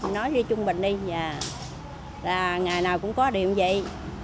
nói chung bình đi ngày nào cũng có điểm vậy